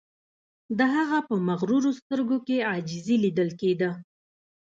د هغه په مغرورو سترګو کې عاجزی لیدل کیده